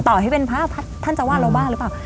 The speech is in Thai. ต่อให้เป็นพระท่านจะว่าเราบ้าหรือเปล่า